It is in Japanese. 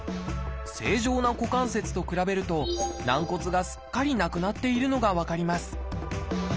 正常な股関節と比べると軟骨がすっかりなくなっているのが分かります